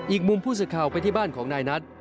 อีกมุมผู้สื่อข่าวไปที่บ้านของนายนัท